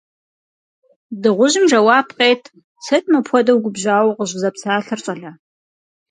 Дыгъужьым жэуап къет: – Сыт мыпхуэдэу губжьауэ укъыщӀызэпсалъэр, щӀалэ.